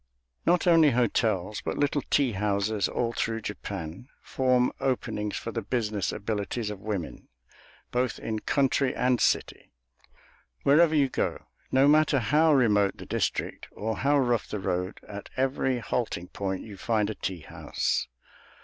Not only hotels, but little tea houses all through Japan, form openings for the business abilities of women, both in country and city. Wherever you go, no matter how remote the district or how rough the road, at every halting point you find a tea house.